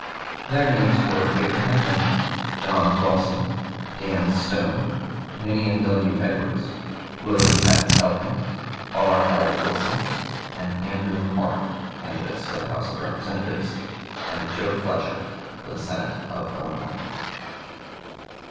Their names were Abraham Lincoln, John Dawson, Dan Stone, Ninian W. Edwards, William F. Elkin, R. L. Wilson, and Andrew McCormick, candidates for the House of Representatives, and Job Fletcher for the Senate, of Illinois.